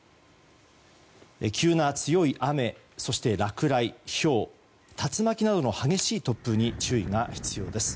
急な強い雨、そして落雷ひょう、竜巻などの激しい突風に注意が必要です。